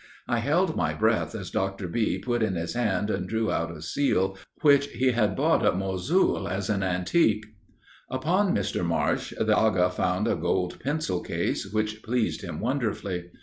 I held my breath as Dr. B. put in his hand and drew out a seal, which he had bought at Mosul as an antique Upon Mr. Marsh, the Agha found a gold pencil case, which pleased him wonderfully.